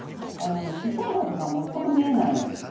私生活がまったく見えないの。